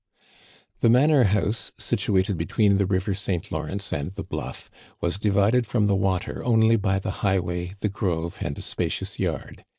The manor house, situated between the river St. Lawrence and the bluff, was divided from the water only by the highway, the grove, and a spacious yard.